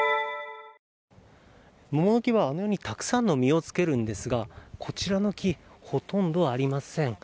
桃の木はこのようにたくさんの実をつけるんですがこちらの木ほとんどありません。